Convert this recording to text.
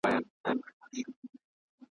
ورته کښې یې ښوده ژر یوه تلکه .